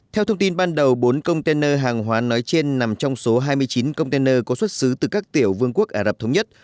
theo thông tin ban đầu bốn container hàng hóa nói trên nằm trong số hai mươi chín container có xuất xứ từ các tiểu vương quốc ả rập thống nhất